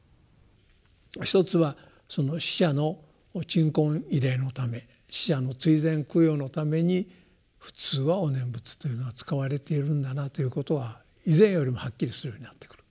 １つはその死者の鎮魂慰霊のため死者の追善供養のために普通はお念仏というのは使われているんだなということは以前よりもはっきりするようになってくる。